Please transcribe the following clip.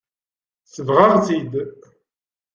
Sebɣeɣ-tt-id.